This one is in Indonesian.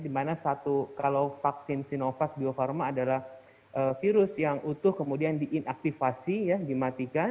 di mana satu kalau vaksin sinovac biofarma adalah virus yang utuh kemudian diinaktivasi dimatikan